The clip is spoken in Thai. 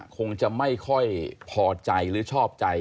คงจะไม่ค่อยพอใจหรือชอบใจ